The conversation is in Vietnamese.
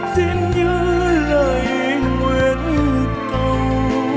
xin nhớ lời nguyện cầu